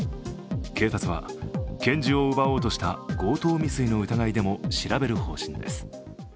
警察は拳銃を奪おうとした強盗未遂の疑いでも調べる方針です。